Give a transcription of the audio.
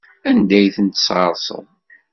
Anda ay ten-tesɣerseḍ?